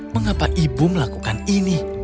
mengapa ibu melakukan ini